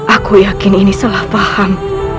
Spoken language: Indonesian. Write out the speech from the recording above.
aku yakin ini salah paham